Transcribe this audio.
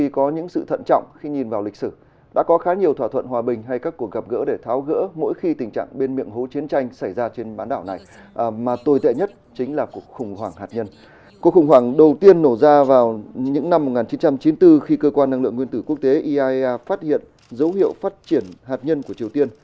chủ tế iaea phát hiện dấu hiệu phát triển hạt nhân của triều tiên